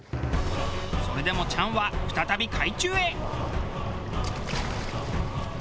それでもチャンは再び海中へ。